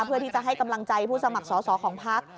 เพื่อที่จะให้กำลังใจผู้สมัครสอสอของพัก